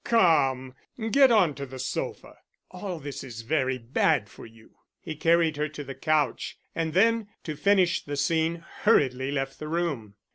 "Come, get on to the sofa. All this is very bad for you." He carried her to the couch, and then, to finish the scene, hurriedly left the room.